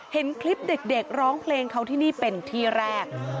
เห็นคลิปเด็กร้องเพลงเขาที่นี่เป็นที่แรก